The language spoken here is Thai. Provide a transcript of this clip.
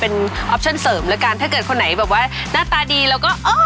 เป็นออปชั่นเสริมแล้วกันถ้าเกิดคนไหนแบบว่าหน้าตาดีแล้วก็เออ